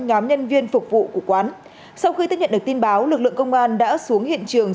nhóm nhân viên phục vụ của quán sau khi tiếp nhận được tin báo lực lượng công an đã xuống hiện trường